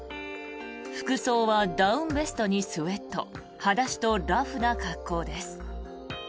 服装はダウンベストにスウェット裸足とラフな格好です。